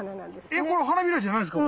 えこれ花びらじゃないんですか？